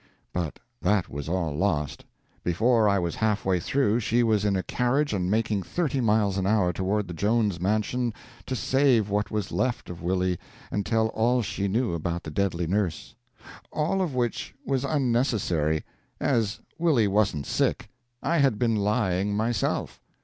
But that was all lost. Before I was half way through she was in a carriage and making thirty miles an hour toward the Jones mansion to save what was left of Willie and tell all she knew about the deadly nurse. All of which was unnecessary, as Willie wasn't sick; I had been lying myself.